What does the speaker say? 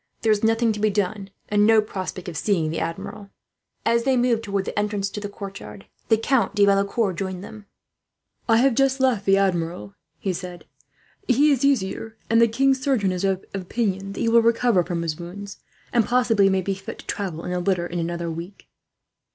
There is nothing to be done, and no prospect of seeing the Admiral." As they moved towards the entrance to the courtyard, the Count de Valecourt joined them. "I have just left the Admiral," he said. "He is easier, and the king's surgeon is of opinion that he will recover from his wounds, and possibly may be fit to travel in a litter, in another week."